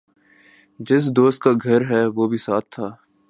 جس دوست کا گھر ہےوہ بھی ساتھ تھا ۔